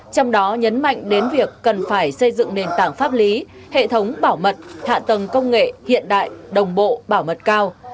trong đó nhấn mạnh đến việc cần phải xây dựng nền tảng pháp lý hệ thống bảo mật hạ tầng công nghệ hiện đại đồng bộ bảo mật cao